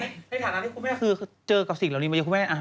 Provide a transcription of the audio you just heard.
ในฐานะที่คุณแม่คือเจอกับสิ่งเหล่านี้มาเยอะคุณแม่